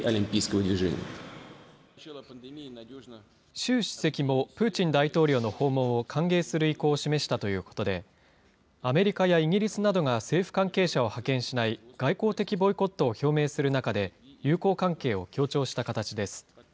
習主席もプーチン大統領の訪問を歓迎する意向を示したということで、アメリカやイギリスなどが政府関係者を派遣しない外交的ボイコットを表明する中で、友好関係を強調した形です。